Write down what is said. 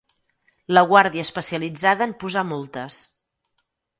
La guàrdia especialitzada en posar multes.